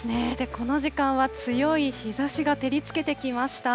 この時間は強い日ざしが照りつけてきました。